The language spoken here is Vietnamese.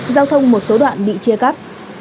giao thông một số đoạn bị chia cắt